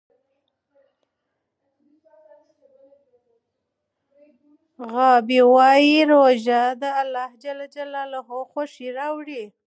غابي وایي روژه د خدای خوښي راوړي.